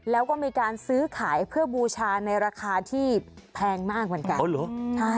แล้วก็มีการซื้อขายเพื่อบูชาในราคาที่แพงมากเหมือนกัน